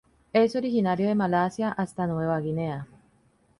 Es originario de Malasia hasta Nueva Guinea.